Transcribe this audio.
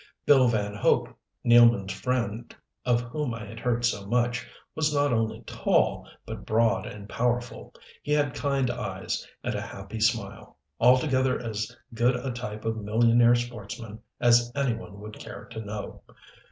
Bill Van Hope, Nealman's friend of whom I had heard so much, was not only tall, but broad and powerful. He had kind eyes and a happy smile altogether as good a type of millionaire sportsman as any one would care to know.